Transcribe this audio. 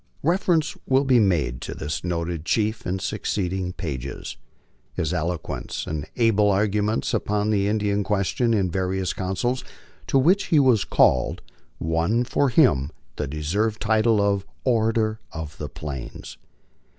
Reference will be made to this noted chief in succeeding pages. His eloquence and able arguments upon the Indian question in various councils to which he was called won for him the deserved title of "Orator of the Plains."